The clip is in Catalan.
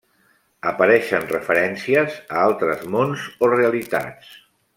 Apareixen referències a altres mons o realitats.